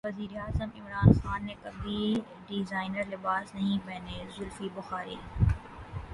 وزیراعظم عمران خان نے کبھی ڈیزائنر لباس نہیں پہنے زلفی بخاری